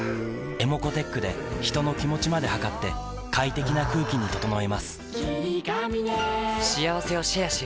ｅｍｏｃｏーｔｅｃｈで人の気持ちまで測って快適な空気に整えます